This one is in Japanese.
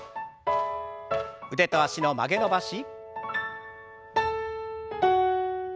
腕と脚の曲げ伸ばし。